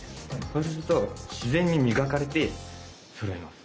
そうすると自然に磨かれてそろいます。